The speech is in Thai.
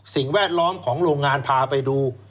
สิ่งแวดล้อมของโรงงานพาไปดู